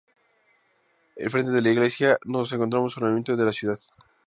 Al frente de la Iglesia, nos encontramos con el Ayuntamiento de la ciudad.